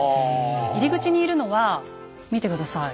入り口にいるのは見て下さい。